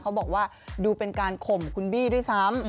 เขาบอกว่าดูเป็นการข่มคุณบี้ด้วยซ้ำ